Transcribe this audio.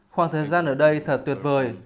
khoảng thời gian ở đây thật tuyệt vời